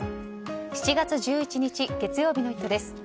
７月１１日、月曜日の「イット！」です。